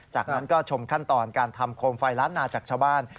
จากนั้นก็ชมขั้นตอนการทำโคมไฟล้านนาจากชาวบ้าน